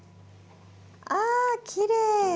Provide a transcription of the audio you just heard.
あっきれい！